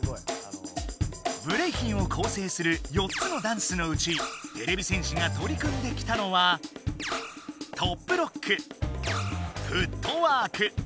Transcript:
ブレイキンをこうせいする４つのダンスのうちてれび戦士がとり組んできたのはトップロックフットワーク。